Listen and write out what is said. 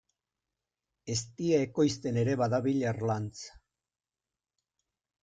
Eztia ekoizten ere badabil Erlanz.